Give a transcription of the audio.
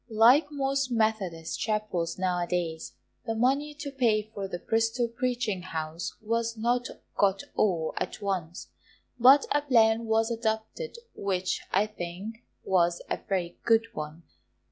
Like most Methodist Chapels nowadays, the money to pay for the Bristol Preaching House was not got all at once; but a plan was adopted which, I think, was a very good one.